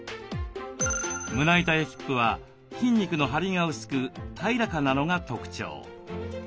胸板やヒップは筋肉のハリが薄く平らかなのが特徴。